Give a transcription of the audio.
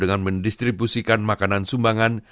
dengan mendistribusikan makanan sumbangan